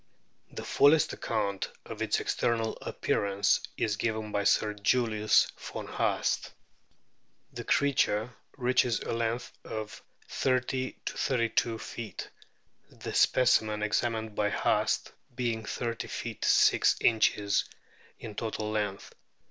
The fullest account of its external appearance is given by Sir Julius von Haast. The creature reaches a length of thirty to thirty two feet, the specimen examined by Haast being thirty feet six inches in total length.